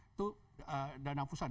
itu dana pusat